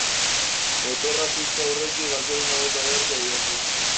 Motorra piztu aurretik gasolina bota beharko diozu.